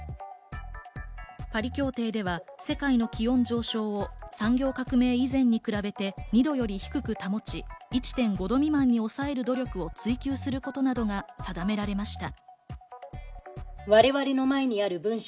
パリ協定では世界の気温上昇を産業革命以前に比べて２度より低く保ち、１．５度未満に抑える努力を追求することなどが定められました。